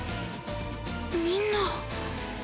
みんな。